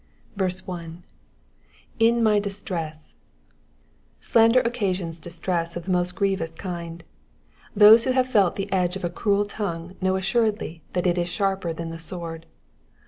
1. /;» my distress,'*^ Slander occasions distress of the most grieTOus kind. Those who have felt the edge of a cruel tongue know assor^ly that it is sharper than the sword.